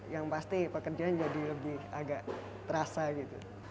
yang pasti pekerjaan jadi lebih agak terasa gitu